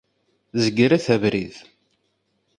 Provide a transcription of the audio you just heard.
Zegret abrid.